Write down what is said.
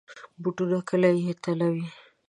بوټونه کله بې تله وي.